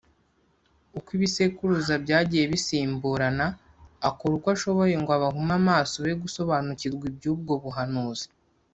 Uko ibisekuruza byagiye bisimburana, akora uko ashoboye ngo abahume amaso be gusobanukirwa iby’ubwo buhanuzi